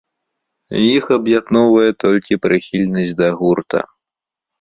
Іх аб'ядноўвае толькі прыхільнасць да гурта.